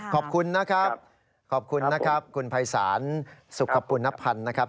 ขอบคุณนะครับขอบคุณนะครับคุณภัยศาลสุขปุณพันธ์นะครับ